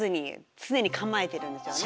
つねにかまえてるんですよね